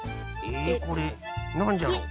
えこれなんじゃろう？